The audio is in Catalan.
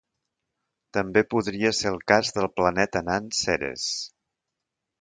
També podria ser el cas del planeta nan Ceres.